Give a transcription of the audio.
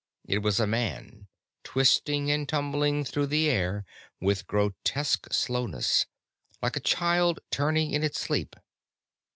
It was a man, twisting and tumbling through the air with grotesque slowness, like a child turning in its sleep.